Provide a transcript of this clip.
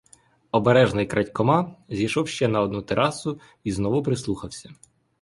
Обережно й крадькома зійшов ще на одну терасу й знову прислухався.